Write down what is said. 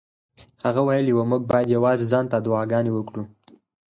هغه ویلي وو موږ یوازې ځان ته دعاګانې وکړو.